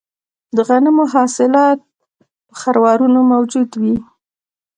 د غنمو حاصلات په خروارونو موجود وي